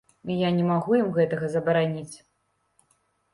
Я не магу ім гэтага забараніць.